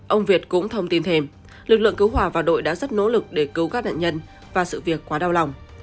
ông việt cũng thông tin thêm lực lượng cứu hỏa và đội đã rất nỗ lực để cứu các nạn nhân và sự việc quá đau lòng